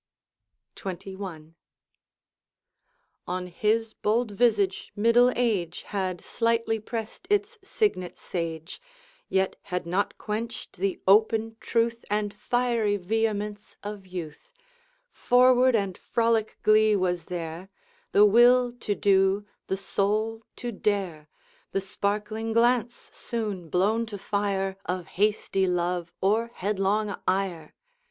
XXI. On his bold visage middle age Had slightly pressed its signet sage, Yet had not quenched the open truth And fiery vehemence of youth; Forward and frolic glee was there, The will to do, the soul to dare, The sparkling glance, soon blown to fire, Of hasty love or headlong ire.